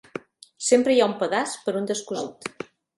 Sempre hi ha un pedaç per un descosit.